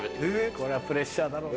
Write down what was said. これはプレッシャーだろうな。